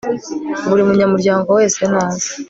buri munyamuryango wese naze